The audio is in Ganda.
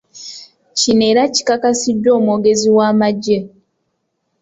Kino era kikakasiddwa omwogezi w’amagye.